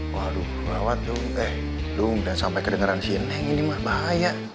waduh rawat dong eh dong jangan sampe kedengeran si nenek ini mba bahaya